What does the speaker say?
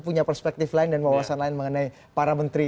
punya perspektif lain dan wawasan lain mengenai para menteri